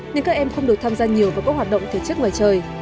nhưng các em không được tham gia nhiều vào các hoạt động thể chất ngoài trời